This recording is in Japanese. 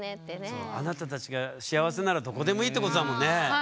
そのあなたたちが幸せならどこでもいいってことだもんね。